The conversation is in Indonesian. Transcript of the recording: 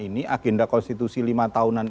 ini agenda konstitusi lima tahunan